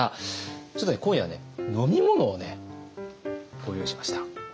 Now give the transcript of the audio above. ちょっとね今夜はね飲み物をご用意しました。